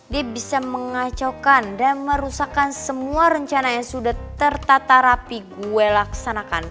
dia bisa mengacaukan dan merusakkan semua rencana yang sudah tertata rapi gue laksanakan